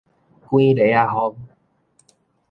捲螺仔風